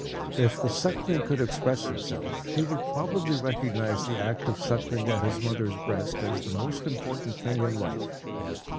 If the suckling could express himself, he would probably recognize the act of sucking at his mother's breast as the most important thing in life.